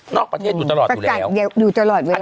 นอกประเทศอยู่ตลอดอยู่แล้วประกาศอยู่ตลอดเวลา